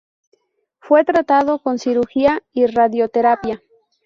Fue tratado con cirugía y radioterapia.